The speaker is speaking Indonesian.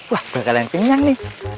wah beragam kenyang nih